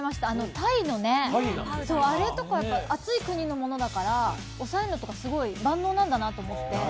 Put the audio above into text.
タイのあれとか、暑い国のものだからおさえるのか万能なんだなと思って。